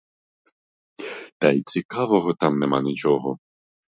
Та й цікавого там нема нічого.